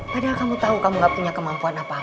padahal kamu tahu kamu gak punya kemampuan apa apa